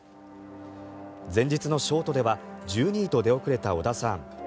前日のショートでは１２位と出遅れた織田さん。